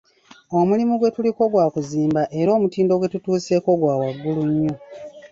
Omulimu gwetuliko gwa kuzimba era omutindo gwe tutuuseeko gwa waggulu nnyo.